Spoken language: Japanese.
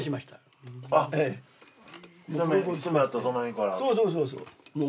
そうそうそうそう。